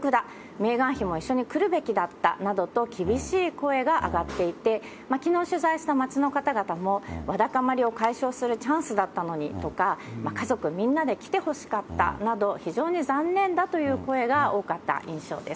メーガン妃も一緒に来るべきだったなどと厳しい声が上がっていて、きのう取材した街の方々も、わだかまりを解消するチャンスだったのにとか、家族みんなで来てほしかったなど、非常に残念だという声が多かった印象です。